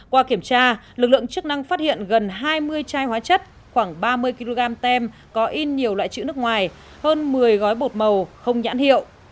qua kiểm tra lực lượng chức năng phát hiện gần hai mươi chai hóa chất khoảng ba mươi kg tem có in nhiều loại chữ nước ngoài hơn một mươi gói bột màu không nhãn hiệu